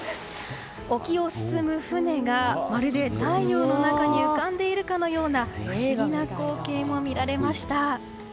沖を進む船が、まるで太陽の中に浮かんでいるかのような不思議な光景も見られました。